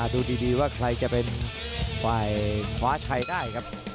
ดูดีว่าใครจะเป็นฝ่ายคว้าชัยได้ครับ